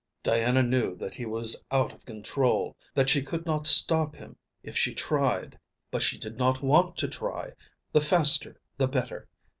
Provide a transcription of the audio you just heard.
Diana knew that he was out of control, that she could not stop him if she tried, but she did not want to try, the faster the better.